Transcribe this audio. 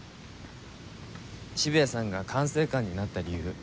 渋谷さんが管制官になった理由。